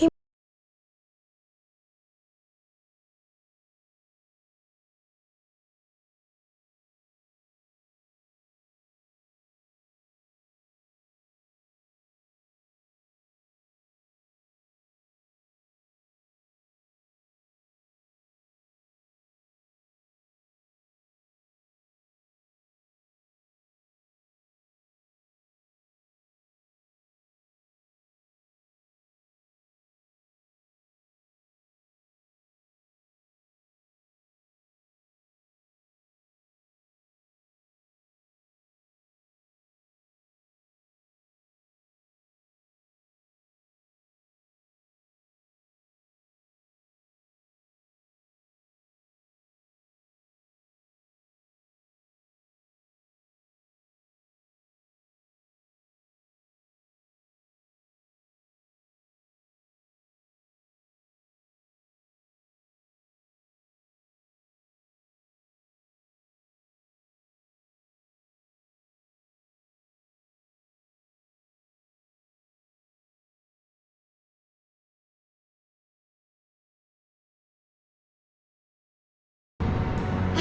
makasih umm pu